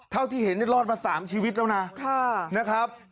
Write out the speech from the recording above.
เท่าที่เห็นว่ารอดประสาทสามชีวิตแล้วนะท่านะครับ